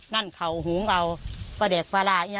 นั่นเขาหูงเอาป่าแดกป่าร่าเนี่ย